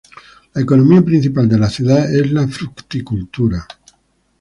La economía principal de la ciudad es la fruticultura.